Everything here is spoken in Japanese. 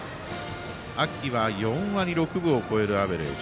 秋は４割６分を超えるアベレージ。